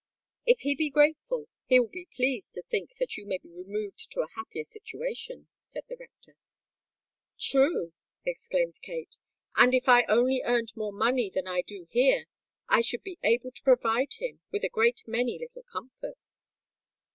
"If he be grateful, he will feel pleased to think that you may be removed to a happier situation," said the rector. "True!" exclaimed Kate. "And if I only earned more money than I do here, I should be able to provide him with a great many little comforts."